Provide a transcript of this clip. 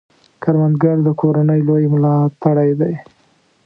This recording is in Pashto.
کروندګر د کورنۍ لوی ملاتړی دی